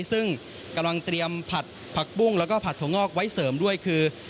ซึ่งกำลังเตรียมผัดผักปุ้งแล้วก็ผัดถั่วงอกไว้เสริมด้วยคือ